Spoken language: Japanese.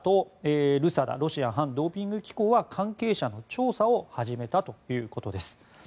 ＷＡＤＡと、ＲＵＳＡＤＡ・ロシア反ドーピング機構は関係者の調査を始めたということです。